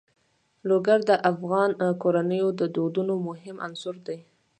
لوگر د افغان کورنیو د دودونو مهم عنصر دی.